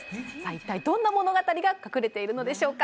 一体どんな物語が隠れているのでしょうか？